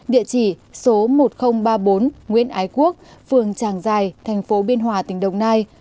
địa chỉ số một nghìn ba mươi bốn nguyễn ái quốc phường tràng giài thành phố biên hòa tỉnh đồng nai